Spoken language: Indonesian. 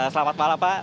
selamat malam pak